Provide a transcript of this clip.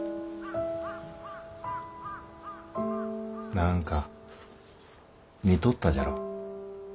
何か似とったじゃろう。